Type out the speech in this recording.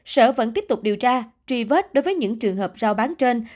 sở vẫn tiếp tục điều tra truy vết đối với những trường hợp giao bán trên